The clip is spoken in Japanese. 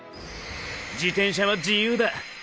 自転車は自由だ。